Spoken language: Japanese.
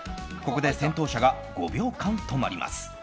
ここで先頭車が５秒間止まります。